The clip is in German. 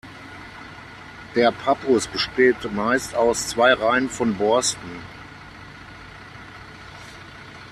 Der Pappus besteht meist aus zwei Reihen von Borsten.